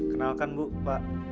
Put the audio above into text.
kenalkan bu pak